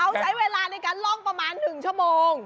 เขาใช้เวลาในการล่องประมาณ๑ชั่วโมง